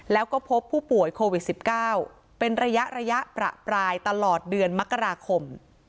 แล้วก็พบผู้ป่วยโควิด๑๙เป็นระยะประปรายตลอดเดือนมกราคม